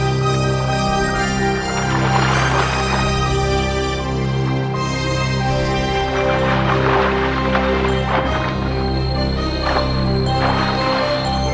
nyai dimana nyai